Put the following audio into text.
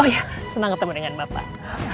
oh ya senang ketemu dengan bapak